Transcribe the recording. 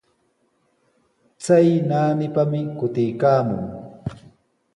Chay naanipami kutiykaamun.